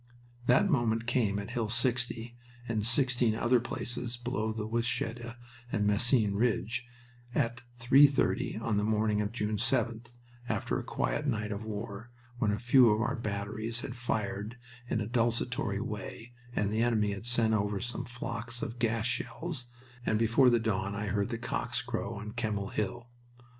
That moment came at Hill 60 and sixteen other places below the Wytschaete and Messines Ridge at three thirty on the morning of June 7th, after a quiet night of war, when a few of our batteries had fired in a desultory way and the enemy had sent over some flocks of gas shells, and before the dawn I heard the cocks crow on Kemmel Hill.